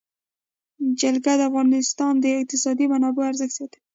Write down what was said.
جلګه د افغانستان د اقتصادي منابعو ارزښت زیاتوي.